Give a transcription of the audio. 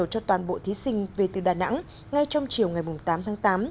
cho toàn bộ thí sinh về từ đà nẵng ngay trong chiều ngày tám tháng tám